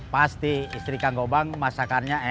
pasti istri dimasakannya buruk